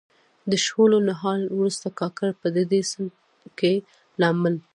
د شولو نهال وروسته کاکړ په ډډي سیند کې لامبل.